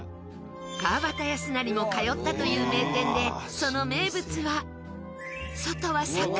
川端康成も通ったという名店でその名物は外はサクッ！